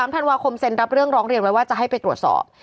๑๓อธิบดีเซนส์รับเรื่องร้องเรียนว่าจะให้ไปตรวจสอบ